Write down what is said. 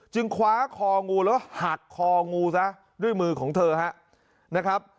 คว้าคองูแล้วหักคองูซะด้วยมือของเธอนะครับ